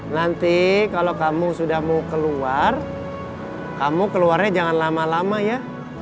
nanti kalau kamu sudah mau keluar kamu keluarnya jangan lama lama ya